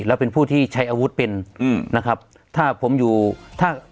แล้วเป็นผู้ที่ใช้อาวุธเป็นอืมนะครับถ้าผมอยู่ถ้า